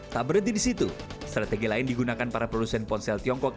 tak berhenti di situ strategi lain digunakan para produsen ponsel tiongkok